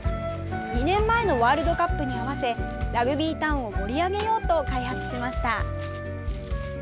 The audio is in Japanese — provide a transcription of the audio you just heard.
２年前のワールドカップに合わせラグビータウンを盛り上げようと開発しました。